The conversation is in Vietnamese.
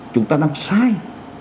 chúng ta đang sai